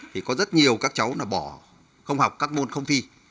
thì có rất nhiều các cháu là bỏ không học các môn không thi